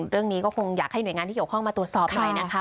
เรื่องนี้ก็คงอยากให้หน่วยงานที่เกี่ยวข้องมาตรวจสอบหน่อยนะคะ